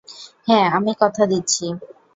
হ্যাঁ, আমি কথা দিচ্ছি।